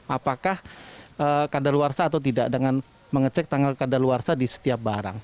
apakah kadar luar saat atau tidak dengan mengecek tanggal kadar luar saat di setiap barang